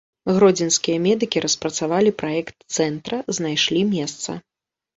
Гродзенскія медыкі распрацавалі праект цэнтра, знайшлі месца.